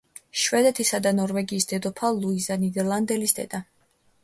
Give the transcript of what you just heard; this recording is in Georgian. შვედეთისა და ნორვეგიის დედოფალ ლუიზა ნიდერლანდელის დედა.